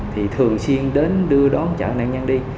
thì thường xuyên đến đưa đón chặn nạn nhân đi